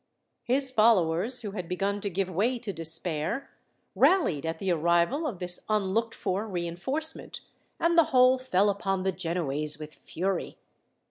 His followers, who had begun to give way to despair, rallied at the arrival of this unlooked for reinforcement, and the whole fell upon the Genoese with fury.